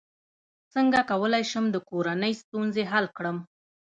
څنګه کولی شم د کورنۍ ستونزې حل کړم